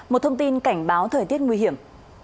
một thông tin cảnh báo thời tiết nguy hiểm